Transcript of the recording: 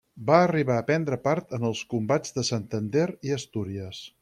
Va arribar a prendre part en els combats de Santander i Astúries.